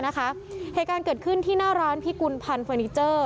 เหตุการณ์เกิดขึ้นที่หน้าร้านพิกุลพันธ์เฟอร์นิเจอร์